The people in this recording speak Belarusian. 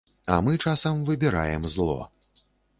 А мы часам выбіраем зло.